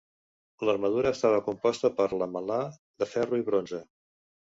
L'armadura estava composta per lamel·lar de ferro i bronze.